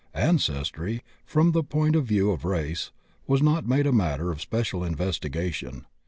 Ancestry, from the point of view of race, was not made a matter of special investigation.